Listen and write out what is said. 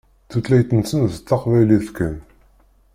Tutlayt-nsen d taqbaylit kan.